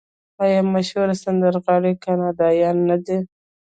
آیا مشهور سندرغاړي کاناډایان نه دي؟